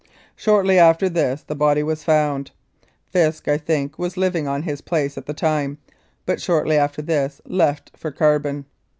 Shortly after this the body was found. Fisk, I think, was living on his place at the time, but shortly after this left for Carbon.